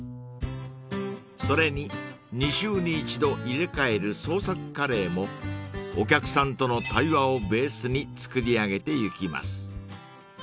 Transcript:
［それに２週に１度入れ替える創作カレーもお客さんとの対話をベースに作り上げてゆきます］